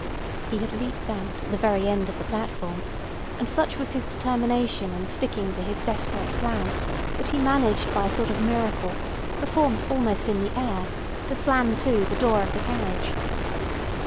He had leaped out at the very end of the platform; and such was his determination in sticking to his desperate plan that he managed by a sort of miracle, performed almost in the air, to slam to the door of the carriage.